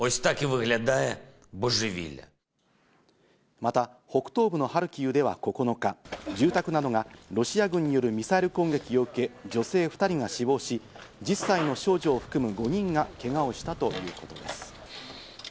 また北東部のハルキウでは９日、住宅などがロシア軍によるミサイル攻撃を受け、女性２人が死亡し、１０歳の少女を含む５人がけがをしたということです。